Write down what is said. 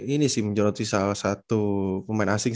ini sih menjoroti salah satu pemain asing